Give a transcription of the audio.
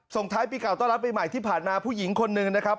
ท้ายปีเก่าต้อนรับปีใหม่ที่ผ่านมาผู้หญิงคนหนึ่งนะครับ